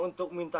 untuk m sob web